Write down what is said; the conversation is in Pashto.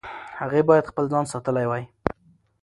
هغې باید خپل ځان ساتلی وای.